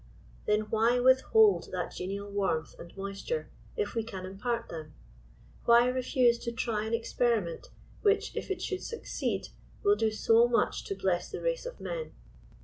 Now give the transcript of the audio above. Then why withhold that genial warmth and moisture, if we can impart them ? Why refuse to try an expe riment which, if it should succeed, will do so much to hless the race of men